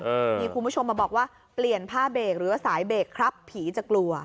มีคุณผู้ชมมาบอกว่าเปลี่ยนผ้าเบรกหรือว่าสายเบรกครับผีจะกลัว